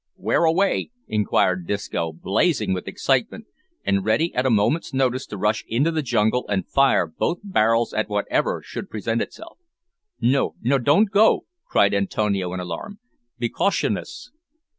"Where away?" inquired Disco, blazing with excitement, and ready at a moment's notice to rush into the jungle and fire both barrels at whatever should present itself. "No, no, don' go," cried Antonio in alarm; "be cautionous."